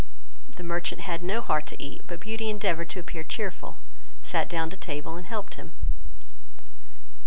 The merchant had no heart to eat; but Beauty endeavoured to appear cheerful, sat down to table, and helped him.